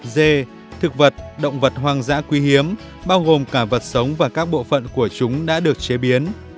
dê thực vật động vật hoang dã quý hiếm bao gồm cả vật sống và các bộ phận của chúng đã được chế biến